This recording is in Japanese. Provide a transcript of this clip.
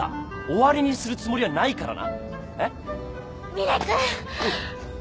峰君。